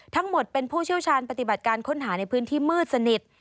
ทั้งหมดเป็นผู้เชี่ยวชาญปฏิบัติการค้นหาในพื้นที่มืดสนิท